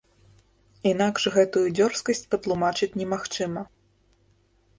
Інакш гэтую дзёрзкасць патлумачыць немагчыма.